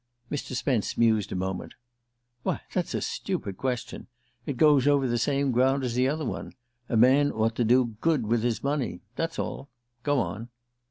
_" Mr. Spence mused a moment. "Why, that's a stupid question. It goes over the same ground as the other one. A man ought to do good with his money that's all. Go on."